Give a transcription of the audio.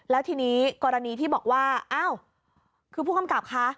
แล้วทีนี้กรณีที่บอกว่าอ้าวคือผู้กำกับคะ